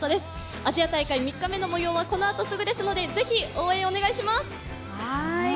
アジア大会３日目のもようはこのあとすぐですのでぜひ、応援をお願いします！